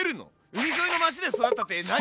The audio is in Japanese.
海沿いの町で育ったって何？